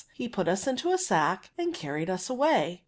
He put us into a sack and carried us away.